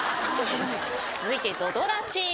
続いて土ドラチームです。